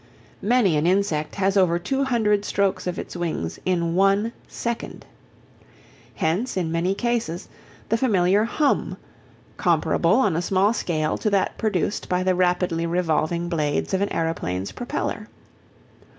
Many an insect has over two hundred strokes of its wings in one second. Hence, in many cases, the familiar hum, comparable on a small scale to that produced by the rapidly revolving blades of an aeroplane's propeller.